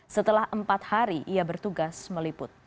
setelah empat hari ia bertugas meliput